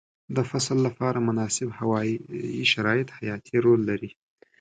د فصل لپاره مناسب هوايي شرایط حیاتي رول لري.